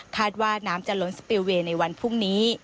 ว่าน้ำจะล้นสปิลเวย์ในวันพรุ่งนี้